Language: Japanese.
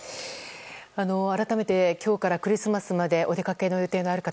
改めて今日からクリスマスまでお出かけの予定がある方